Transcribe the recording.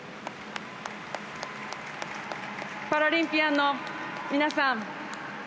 パラリンピアンの皆さん。